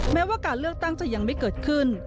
แม้ว่าการเลือกตั้งจะยังไม่เกิดขึ้น